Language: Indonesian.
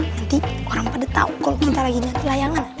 nanti orang pada tau kalau kita lagi nyatu layangan